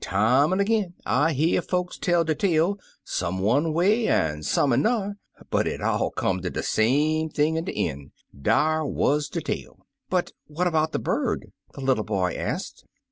Time an' time ag'in I hear folks tell de tale — some one way an' some an'er, but^it all come ter de same thing in de een' — dar wuz de tale." "But what about the bird?" the little boy asked.